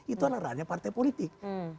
itu adalah ranahnya partai politik